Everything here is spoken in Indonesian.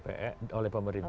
pemerintah oleh presiden